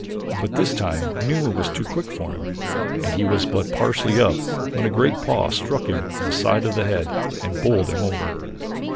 But this time Numa was too quick for him and he was but partially up when a great paw struck him on the side of the head and bowled him over.